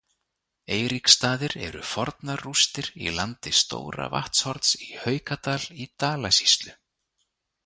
Eiríksstaðir eru fornar rústir í landi Stóra-Vatnshorns í Haukadal í Dalasýslu.